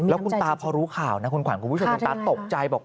แล้วคุณตาพอรู้ข่าวนะคุณขวัญคุณผู้ชมคุณตาตกใจบอก